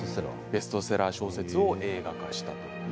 ベストセラー小説を映画化したと。